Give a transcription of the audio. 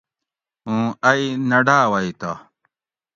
اوں ائ نہ ڈآوائ تہ